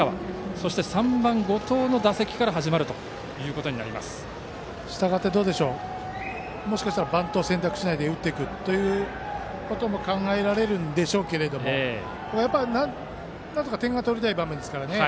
そして３番、後藤の打席から従ってもしかしたらバントを選択せず打っていくということも考えられるんでしょうけれどもなんとか点が取りたい場面ですからね。